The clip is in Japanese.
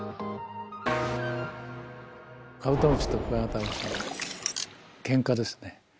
カブトムシとクワガタムシのケンカですね。